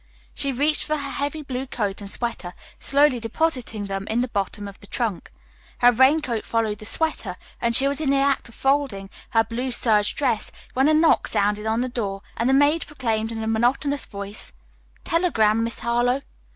She reached for her heavy blue coat and sweater, slowly depositing them in the bottom of the trunk. Her raincoat followed the sweater, and she was in the act of folding her blue serge dress, when a knock sounded on the door, and the maid proclaimed in a monotonous voice, "Telegram, Miss Harlowe."